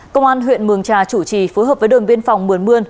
công an huyện mường trà chủ trì phối hợp với đồn biên phòng mường mươn